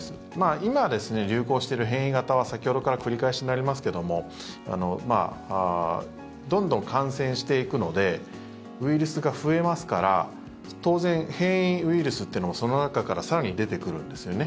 今、流行している変異型は先ほどから繰り返しになりますがどんどん感染していくのでウイルスが増えますから当然、変異ウイルスというのもその中から更に出てくるんですよね。